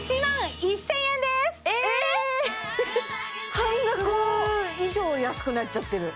半額以上安くなっちゃってる